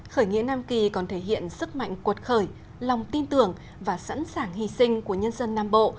khởi nghĩa nam kỳ còn thể hiện sức mạnh cuột khởi lòng tin tưởng và sẵn sàng hy sinh của nhân dân nam bộ